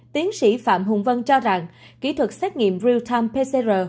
tiến sĩ phạm hùng vân cho rằng kỹ thuật xét nghiệm real time pcr